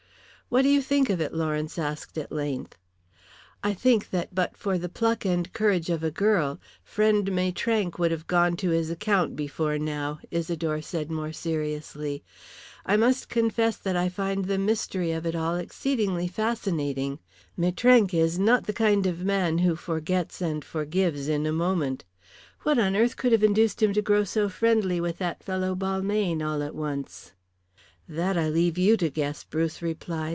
"What do you think of it?" Lawrence asked at length. "I think that but for the pluck and courage of a girl friend Maitrank would have gone to his account before now," Isidore said more seriously. "I must confess that I find the mystery of it all exceedingly fascinating. Maitrank is not the kind of man who forgets and forgives in a moment. What on earth could have induced him to grow so friendly with that fellow Balmayne all at once?" "That I leave you to guess," Bruce replied.